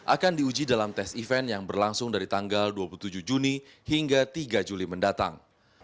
akan diuji dalam tes event yang berlangsung dari tanggal dua puluh tujuh juni hingga tiga juli mendatang